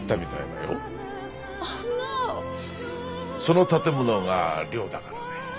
その建物が寮だからね。